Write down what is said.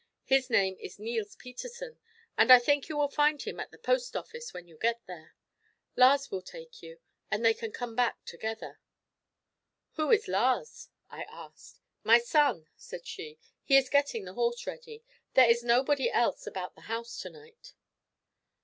His name is Neils Petersen, and I think you will find him at the post office when you get there. Lars will take you, and they can come back together." "Who is Lars?" I asked. "My son," said she. "He is getting the horse ready. There is nobody else about the house to night."